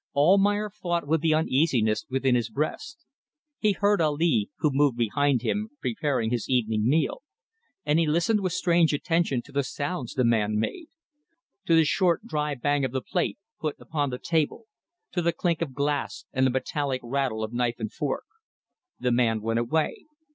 Almayer fought with the uneasiness within his breast. He heard Ali, who moved behind him preparing his evening meal, and he listened with strange attention to the sounds the man made to the short, dry bang of the plate put upon the table, to the clink of glass and the metallic rattle of knife and fork. The man went away.